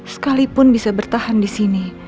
sekalipun bisa bertahan disini